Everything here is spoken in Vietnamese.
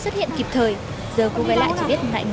con không nhận ra cô à